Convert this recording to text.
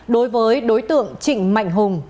đối với đối tượng trịnh mạnh hùng